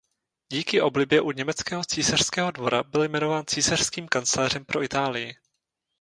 Díky oblibě u německého císařského dvora byl jmenován císařským kancléřem pro Itálii.